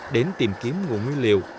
đến tìm kiếm nguồn nguyên liệu